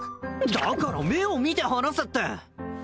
だから目を見て話せって！